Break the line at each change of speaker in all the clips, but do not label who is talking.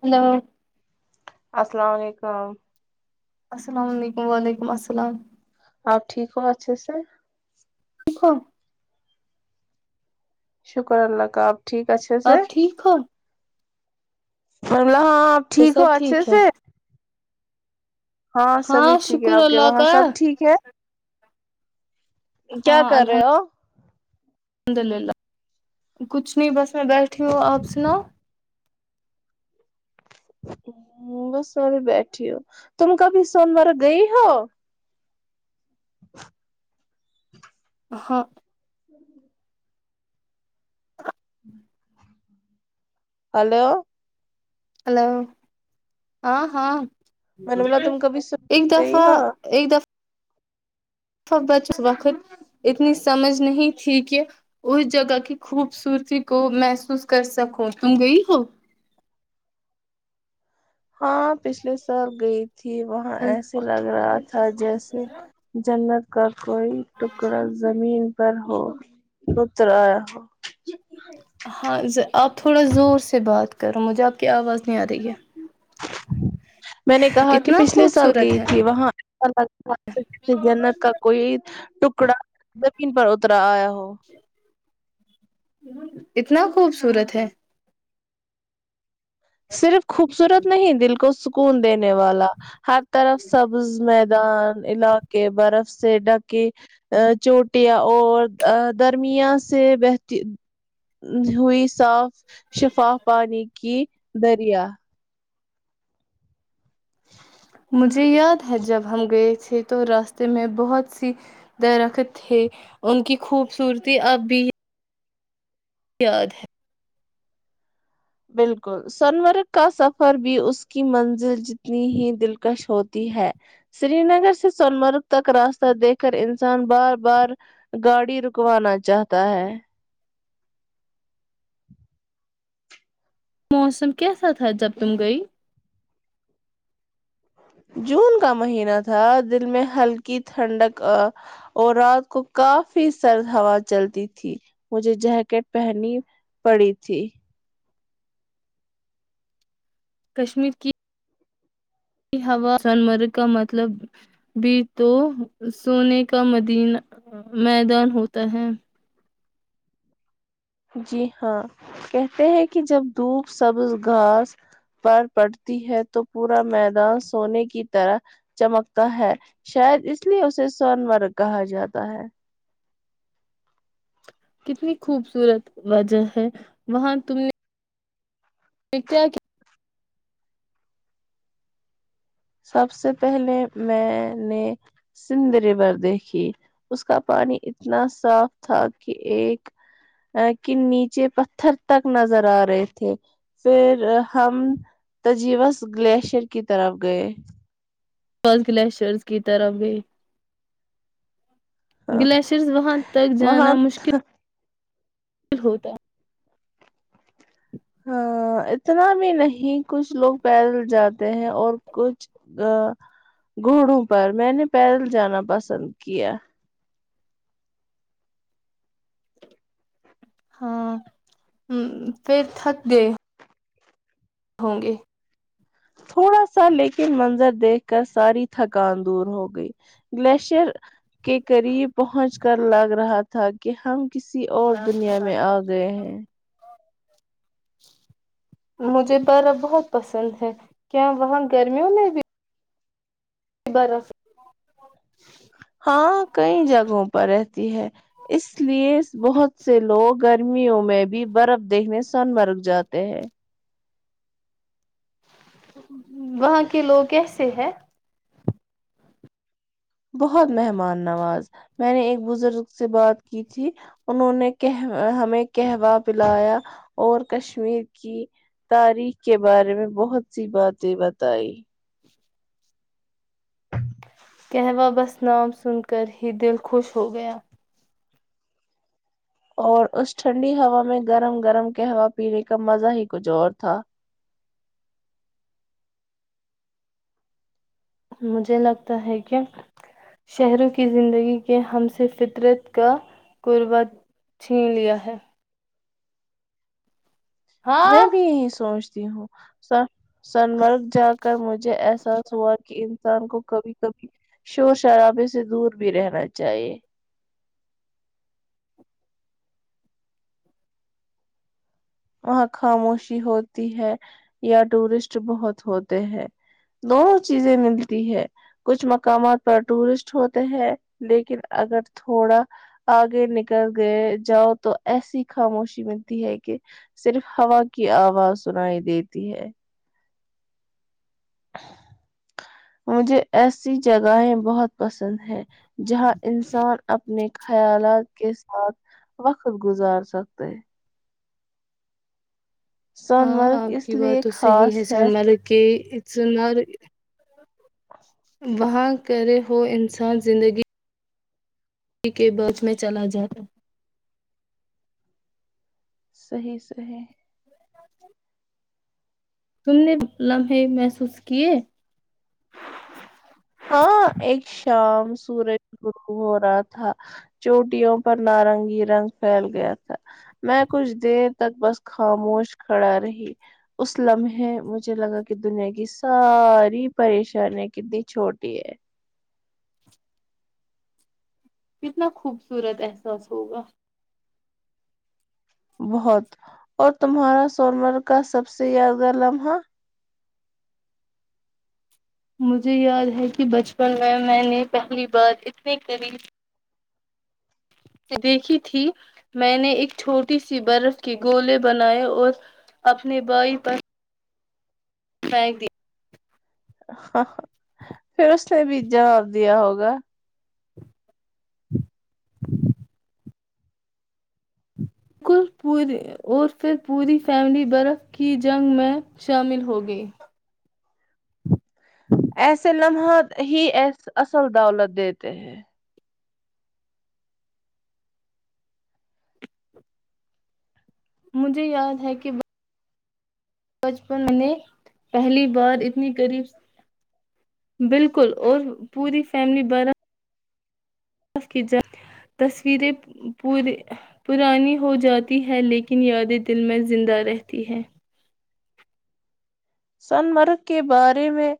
hello
السلام علیکم
السلام علیکم وعلیکم السلام
آب ٹھیک ہو اچھے سے
ٹھیک ہو
شکر اللہ کا آپ ٹھیک اچ سر
آپ ٹھیک ہو
ہاں لہ ہاں آپ
وہ
ٹھیک ہو
سب
اچھے
ہے
سے ہاں سبھی ٹھیک ہے
شکر
آپ کے
اللہ
وہاں
کا
سب ٹھیک ہے کیا
ہاں
کر رہے ہو
الحمد للہ کچھ نہیں بس میں بیٹھی ہوں آپ سناؤ
بس سی بیٹھی ہو تم کبھی سوموار گئی ہو
ہاں ہ [inaudible]
ہلو
ہلو ہاں ہاں
میں نے بولا تم کبھی
ایک
سونمرگ گئی
دفعہ
ہو
ایک دفہ بچ اس وقت اتنی سمجھ نہیں تھی کہ اس جگہ کی خوبصورتی کو محسوس کرسکوں تم گئی ہو
ہاں پچھلے سال گئی تھی وہاں ایسے لگ رہا تھا جیسے جنت کا کوئی ٹکڑا زمین پر ہو اتر آیا ہو
ہاں آپ تھوڑا زور سے بات کر رہا مجھے آپ کی آواز نہیں آ رہی ہے
میں نے کہا کہ
اتنا
پچھلے سال
خوبصورت
گئی
ہے
تھی وہاں ال [inaudible] کسی جنک کا کوئی ٹکڑا زمین پر اترا آیا ہو
اتنا خوبصورت ہے
صرف خوبصورت نہیں دل کو کون دینے والا ہر طرف سبز میں دان علاقے برف سے ڈکی چوٹیاں اور درمیا سے بہتی ہوئی صاف شفاف پانی کی دریا
مجھے یاد ہے جب ہم گئے تھے تو راستے میں بہت سی درخت تھے ان کی خوبصورتی اب بھی یاد ہے
بالکل سون مرگ کا سفر بھی اس کی منزل جتنی ہی دلکش ہوتی ہے سری نگر سے سون مرگ تک راستہ دیکھ کر انسان بار بار گاڑی رکوانا چاہتا ہے
موسم کی سات تھا جب تم گے
جون کا مہینہ تھا دل میں ہلکی ٹھنڈک اور رات کو کافی سرد ہوا چلتی تھی مجھے جیکٹ پہنی پڑی تھی
کشمیر کی یہی ہوا جان مرگ کا مطلب بھی تو سونے کا م میدان ہوتا ہے
جی ہاں کہتے ہیں کہ جب دھوپ سبز گھاس پر پڑتی ہے تو پورا میدان سونے کی طرح چمکتا ہے شاید اس لیے اسے سن مرگ کہا جاتا ہے
کتنی خوبصورت وجہ ہے وہاں تم نے کیا کیا
سب سے پہلے میں نے سندھ ریور دیکھی اس کا پانی اتنا صاف تھا کہ ایک کے نیچے پتھر تک نظر آ رہے تھے پھر ہم تجوس گلیشر کی طرف گئے
فس گلیشرز کی طرف گئے گلیشئرز وہاں تک
وہاں
جانا مشکل ہوتا
ہاں اتنا بھی نہیں کچھ لوگ پیدل جاتے ہیں اور کچھ ا گھڑوں پر میں نے پیدل جانا پسند کیا
ہاں پھر تھک گ ہوں گے
تھوڑا سا لیکن منظر دیکھ کر ساری تھکان دور ہو گئی گلیشر کے قریب پہنچ کر لگ رہا تھا تاکے ہم کسی اور دنیا میں آ گئے ہیں
مجھے بارہ بہت پسند ہے کیا وہاں گرمیوں میں بھی برا
ہاں کئی جگہوں پر اس لیے بہت سے لوگ گرمیوں میں بھی برف دیکھنے سن مرگ جاتے ہیں
وہاں کے لوگ کیسے ہے
بہت مہمان نواز میں نے ایک بزرگ سے بات کی تھی انہوں نے کہ ہمیں کہوہ پلایا اور کشمیر کی تاریخ کے بارے میں بہت سی باتیں بتائی
کہہوہ بس نام سن کر ہی دل خوش ہو گیا
اور اس ٹھنڈی ہوا میں گرم گرم کے ہوا پینے کا مزہ ہی کچھ اور تھا
مجھے لگتا ہے کہ شہروں کی زندگی کے ہم سے فطرت کا قربا چھین لیا ہے ہاں
میں بھی یہی سوچتی جی ہوں سر سنمرگ جا کر مجھے احساس ہوا کہ ان انسان کو کبھی کبھی شور شرابے سے دور بھی رہنا چاہیے وہاں خاموشی ہوتی ہے یا ٹورسٹ بہت ہوتے ہیں دونوں چیزیں ملتی ہے کچھ مقامات پر ٹورسٹ ہوتے ہیں لیکن اگر تھوڑا آگے نکل گئے جاؤ تو ایسی خاموشی ملتی ہے کہ صرف ہوا کی آواز سنائی دیتی ہے مجھے ایسی جگہیں بہت پسند ہے جہاں انسان اپنے خیالات کے ساتھ وقت گزار سکتے
ہاں
سونمرگ
آپ
اس
کی بات
لیے
تو صحیح ہے
خاص
سنر کے وہاں کرے ہو انسان زندگی پ کے بچ میں چلا جاتا
صحی صحی
تم نے لمحے محسوس کیے
ہاں ایک شام سورج گرو ہو رہا تھا چوٹیوں پر نارنگی رنگ پھیل گیا تھا میں کچھ دیر تک بس خاموش کھڑا رہی اس لمحے مجھے لگا کہ دنیا کی ساری پریشانی کی د چھوٹی ہے
کتنا خوبصورت احساس ہوگا
بہت اور تمہارا سون مرگ کا سب سے یادگار لمحہ
مجھے یاد ہے کہ بچپن میں میں نے پہلی بار اتنے قریب دیکھی تھی میں نے ایک چھوٹی سی برف کے گولے بنائے اور اپنے بھائی پر ف د
ہ پھر اس نے بھی جواب دیا ہوگا
کل اور پھر پوری فیملی برف کی جنگ میں شامل ہو گئی
ایسے لمحہ ہی اصل دولت دیتے ہیں
مجھے یاد ہے کہ بچپن نے پہلی بار اتنی قریب بالکل اور پوری فیملی بارہ تصویریں پرانی ہو جاتی ہیں لیکن یادیں دل میں زندہ رہتی ہیں
سنمرگ کے بارے میں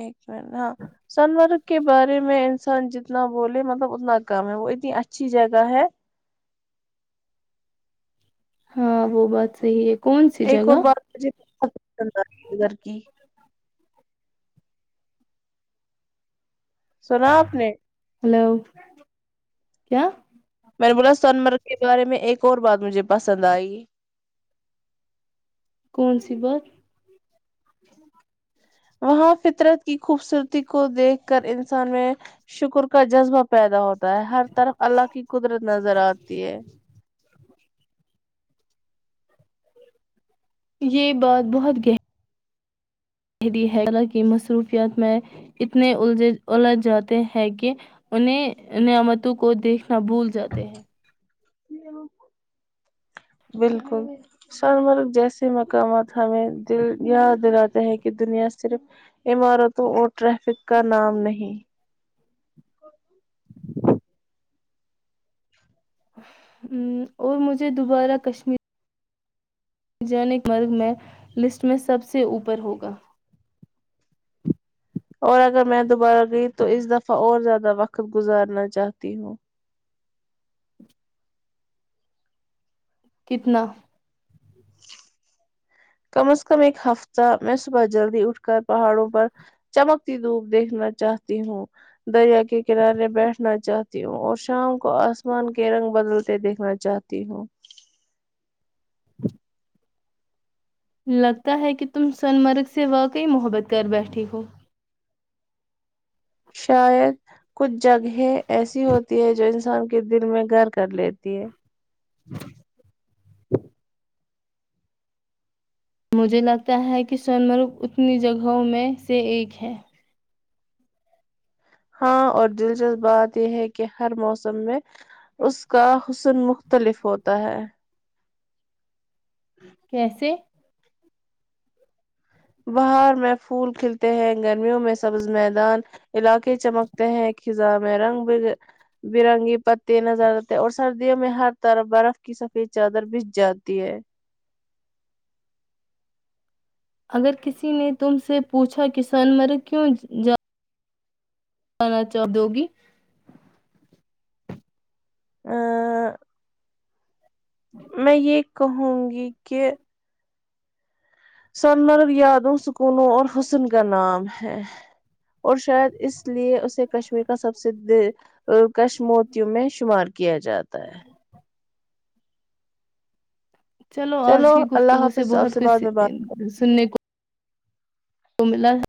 ایک ہاں شنوار کے بارے میں انسان جتنا بولے مطلب اتنا کم ہے وہ اتنی اچھی جگہ ہے
ہاں وہ بات صحی ہے کون سی
ایک اور
جگہ
بار بے ک گھر کی سنا آپ نے
ہلو کیا
میں بولا سن مرگ کے بارے میں ایک اور بات مجھے پسند آئی
کون سی بات
وہاں فطرت کی خوبصورتی کو دیکھ کر انسان میں شکر کا جذبہ پیدا ہوتا ہوتا ہر طرف اللہ کی قدرت نظر آتی ہے
یہ بات بہت گہری شحریی حیر کی مصروفیات میں اتنے الجھ جاتے ہیں کہ انہیں نعمتوں کو دیکھنا بھول جاتے ہیں
بالکل سون مرگ جیسے مقامات ہمیں دل یا دل ہے کہ دنیا صرف عمارتوں اور ٹریفک کا نام نہیں
ہ اور مجھے دوبارہ کشمیر جینک مرگ میں لسٹ میں سب سے اوپر ہوگا
اور اگر میں دوبارہ گئی تو اس دفعہ اور زیادہ وقت گزارنا چاہتی ہوں
کتنا
کم از کم ایک ہفتہ میں صبح جلدی اٹھ کر پہاڑوں پر چمکتی دھوپ دیکھنا چاہتی ہوں دریا کے کنارے بیٹھنا چاہتی ہوں اور شام کو آسمان کے رنگ بدلتے دیکھنا چاہتی ہوں
لگتا ہے کہ تم سنمرگ سے واقعی محبت کر بیٹھے ہو
شاید کچھ جگہیں ایسی ہوتی ہے جو انسان دن میں گھر کا کر لیتی ہے
[inaudible] مجھے لگتا ہے کہ سونمرگ اتنی جگہوں میں سے ایک ہے
ہاں اور دلچسپ بات یہ ہے کہ ہر موسم میں اس کا حسن مختلف ہوتا ہے
کیسے
بہار میں پھول کھلتے ہیں گرمیوں میں سبز میدان علاقے چمکتے ہیں خزاں میں رنگ ب برنگی پتے نظر آتے ہیں اور سردیوں میں ہر طرف برف کی سفید چادر بج جاتی ہے
اگر کسی نے تم سے پوچھا کہ سونمرگ کیوں جا انا چپ د گی
آ [inaudible] میں یہ کہوں گی کہہ سن مر یادم س کونوں اور حسن کا نام ہے اور شاید اس لیے اسے کشمیر کا سب سے کشموتیوں میں شمار کیا جاتا ت [inaudible]
چلو آج کی
اللہ
گفتگو سے
حافظ آپ
بہت
بعد
کچھ
میں بات
سننے کو وہ ملا ہے